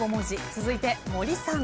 続いて森さん。